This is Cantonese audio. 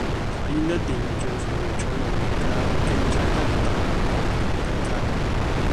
體院的電力帳戶若採用較經濟的大量用電價目